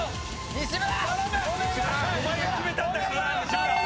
西村！